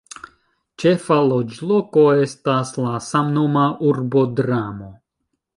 Ĉefa loĝloko estas la samnoma urbo "Dramo".